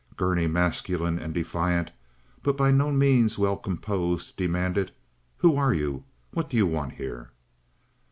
Gurney, masculine and defiant, but by no means well composed, demanded: "Who are you? What do you want here?"